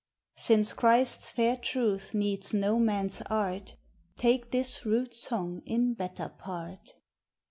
"Since Christ's fair truth needs no man's art, Take this rude song in better part."